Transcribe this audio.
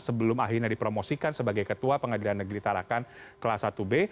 sebelum akhirnya dipromosikan sebagai ketua pengadilan negeri tarakan kelas satu b